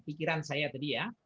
pikiran saya tadi ya